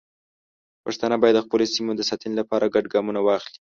پښتانه باید د خپلو سیمو د ساتنې لپاره ګډ ګامونه واخلي.